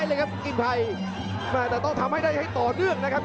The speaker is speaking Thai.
หน้าสมัติไปเลยครับ